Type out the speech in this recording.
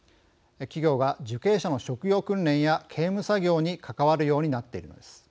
企業が受刑者の職業訓練や刑務作業に関わるようになっているのです。